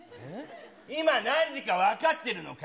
今何時か分かってるのか？